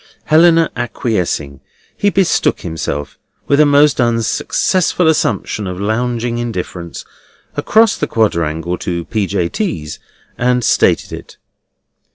Helena acquiescing, he betook himself (with a most unsuccessful assumption of lounging indifference) across the quadrangle to P. J. T."s, and stated it.